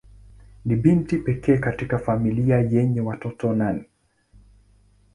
Ni binti pekee katika familia yenye watoto nane.